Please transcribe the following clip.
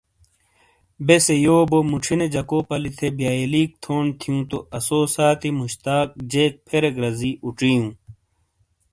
بیسے یو بوئی موچھینے جکو پلی تھے بئیلیک تھون تھیوں تو آسو ساتی مشتاق جیک فریک رزی اوچیوں ۔